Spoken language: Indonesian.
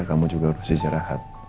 kamu juga harus istirahat